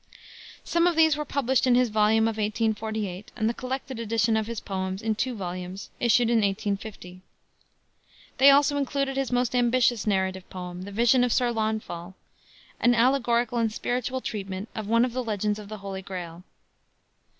Some of these were published in his volume of 1848 and the collected edition of his poems, in two volumes, issued in 1850. These also included his most ambitious narrative poem, the Vision of Sir Launfal, an allegorical and spiritual treatment of one of the legends of the Holy Grail.